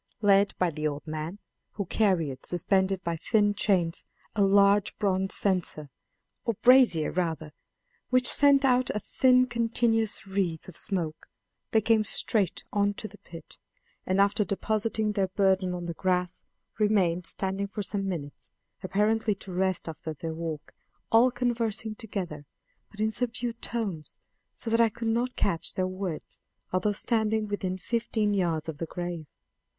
Led by the old man who carried, suspended by thin chains, a large bronze censer, or brazier rather, which sent out a thin continuous wreath of smoke they came straight on to the pit; and after depositing their burden on the grass, remained standing for some minutes, apparently to rest after their walk, all conversing together, but in subdued tones, so that I could not catch their words, although standing within fifteen yards of the grave.